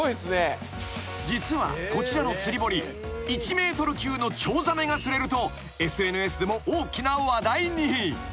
［実はこちらの釣り堀１ｍ級のチョウザメが釣れるとＳＮＳでも大きな話題に］